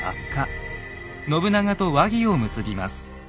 信長と和議を結びます。